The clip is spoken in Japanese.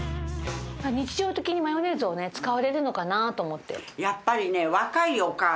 日常的にマヨネーズをね使われるのかなと思って。